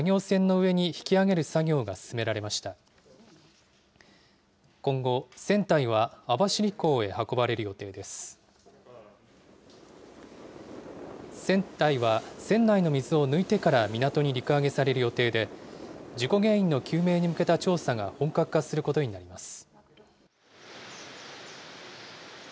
船体は船内の水を抜いてから港に陸揚げされる予定で、事故原因の究明に向けた調査が本格化することになります。